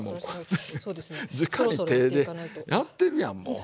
じかに手でやってるやんもう。